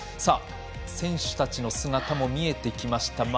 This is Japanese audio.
選手たちの姿も見えてきました。